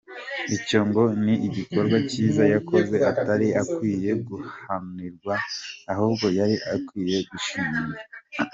Icyo ngo ni igikorwa cyiza yakoze atari akwiye guhanirwa, ahubwo yari akwiye gushimirwa.